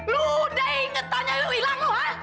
lu udah inget tanya lu hilang lu ha